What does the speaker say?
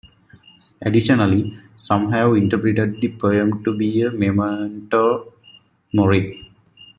Additionally, some have interpreted the poem to be a Memento Mori.